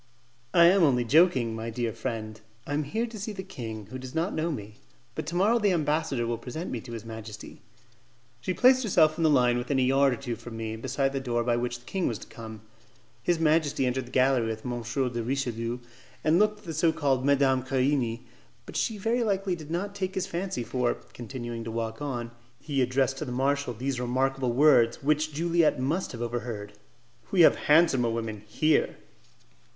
"I am only joking, my dear friend; I am here to see the king, who does not know me; but to morrow the ambassador will present me to his majesty." She placed herself in the line within a yard or two from me, beside the door by which the king was to come. His majesty entered the gallery with M. de Richelieu, and looked at the so called Madame Querini. But she very likely did not take his fancy, for, continuing to walk on, he addressed to the marshal these remarkable words, which Juliette must have overheard, "We have handsomer women here."